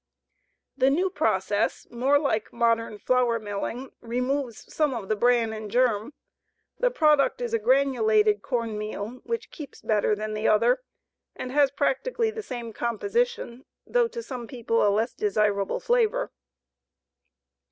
The new process, more like modern flour milling, removes some of the bran and germ. The product is a granulated corn meal which keeps better than the other, and has practically the same composition, though to some people a less desirable flavor.